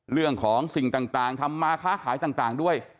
สิ่งต่างทำมาค้าขายต่างด้วย